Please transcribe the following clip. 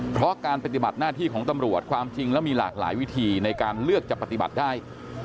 เพราะการปฏิบัติหน้าที่ของตำรวจความจริงแล้วมีหลากหลายวิธีในการเลือกจะปฏิบัติได้